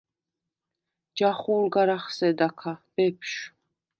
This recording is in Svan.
ჯახუ̄ლ გარ ახსედა ქა, ბეფშვ.